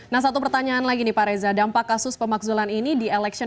nah satu pertanyaan lagi nih pak reza dampak kasus pemakzulan ini di election dua ribu dua puluh